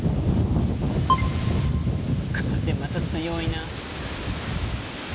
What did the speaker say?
風また強いな。